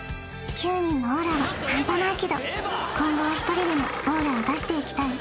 ９人のオーラはハンパないけど今後は１人でもオーラを出していきたい